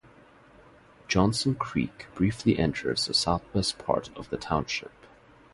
Johnson Creek briefly enters the southwest part of the township.